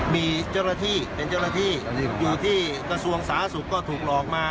มีเจ้าหน้าที่เป็นเจ้าหน้าที่อยู่ที่กระทรวงสาธารณสุขก็ถูกหลอกมา